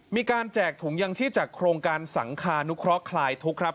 แจกถุงยังชีพจากโครงการสังคานุเคราะหลายทุกข์ครับ